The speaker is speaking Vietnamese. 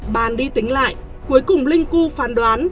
bàn đi tính lại cuối cùng linh cu phán đoán